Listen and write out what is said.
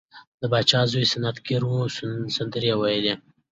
د پاچا د زوی سنت ګیری وه سندرې ویل کیدې.